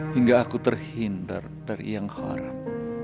hingga aku terhindar dari yang haram